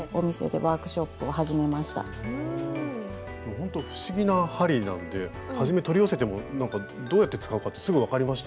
ほんと不思議な針なんではじめ取り寄せてもなんかどうやって使うかってすぐ分かりました？